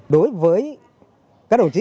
đối với các đồng chí